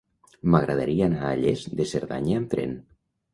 M'agradaria anar a Lles de Cerdanya amb tren.